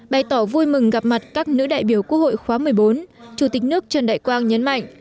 bày tỏ vui mừng gặp mặt các nữ đại biểu quốc hội khóa một mươi bốn chủ tịch nước trần đại quang nhấn mạnh